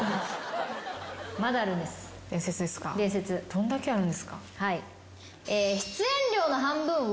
どんだけあるんですか。